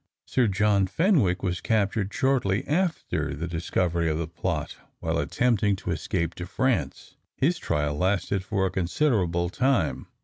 Sir John Fenwick, was captured shortly after the discovery of the plot, while attempting to escape to France. His trial lasted for a considerable time.